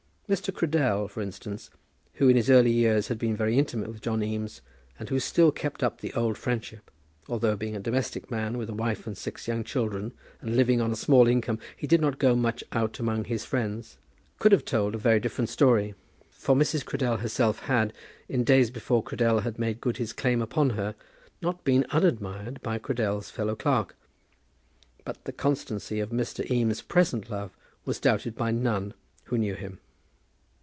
Mr. Cradell, for instance, who in his early years had been very intimate with John Eames, and who still kept up the old friendship, although, being a domestic man, with a wife and six young children, and living on a small income, he did not go much out among his friends, could have told a very different story; for Mrs. Cradell herself had, in days before Cradell had made good his claim upon her, been not unadmired by Cradell's fellow clerk. But the constancy of Mr. Eames's present love was doubted by none who knew him.